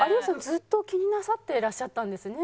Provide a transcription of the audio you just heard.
ずっと気になさってらっしゃったんですね。